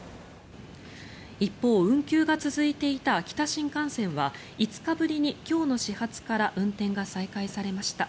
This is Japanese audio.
一方、運休が続いていた秋田新幹線は５日ぶりに今日の始発から運転が再開されました。